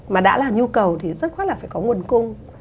mà đã là nhu cầu thì rất khoát là phải có nguồn cung